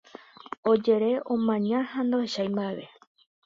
Ojere, omaña ha ndohechái mba'eve.